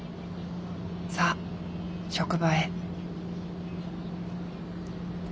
さあ職場へ。